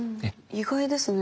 意外ですね。